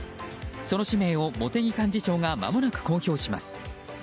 その氏名を茂木幹事長がまもなく公表します。